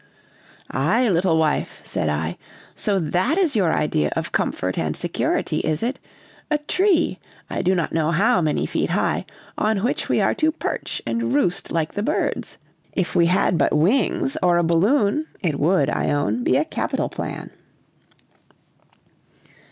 "Aye, little wife," said I; "so that is your idea of comfort and security, is it? A tree, I do not know how many feet high, on which we are to perch and roost like the birds? If we had but wings or a balloon, it would, I own, be a capital plan."